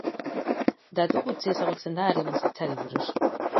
Datu gutxi ezagutzen da haren bizitzari buruz.